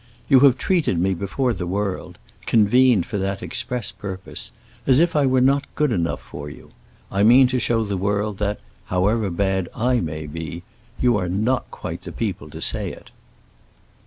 You have treated me before the world—convened for the express purpose—as if I were not good enough for you. I mean to show the world that, however bad I may be, you are not quite the people to say it."